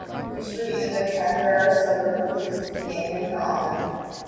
A street in the Canberra suburb of Cook is named in her honour.